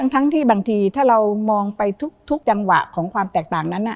ทั้งที่บางทีถ้าเรามองไปทุกจังหวะของความแตกต่างนั้น